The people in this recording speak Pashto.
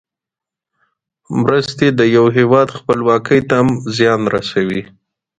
مرستې د یو هېواد خپلواکۍ ته هم زیان رسوي.